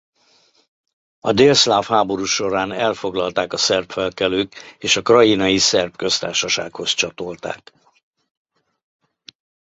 A délszláv háború során elfoglalták a szerb felkelők és a Krajinai Szerb Köztársasághoz csatolták.